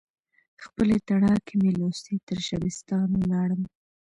خپلې تڼاکې مې لوستي، ترشبستان ولاړمه